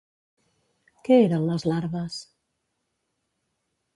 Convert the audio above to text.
Què eren les Larves?